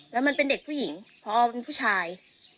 แล้วมันเป็นเด็กผู้หญิงพอเป็นผู้ชาย